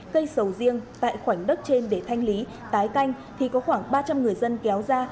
cây sầu riêng tại khoảnh đất trên để thanh lý tái canh thì có khoảng ba trăm linh người dân kéo ra